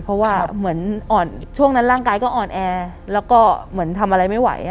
เพราะว่าเหมือนอ่อนช่วงนั้นร่างกายก็อ่อนแอแล้วก็เหมือนทำอะไรไม่ไหว